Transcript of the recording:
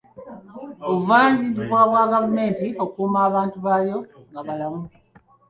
Buvunaanyizibwa bwa gavumenti okukuuma abantu baayo nga balamu.